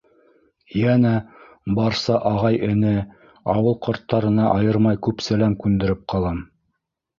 Йәнә барса ағай-эне, ауыл ҡарттарына айырмай күп сәләм күндереп ҡалам.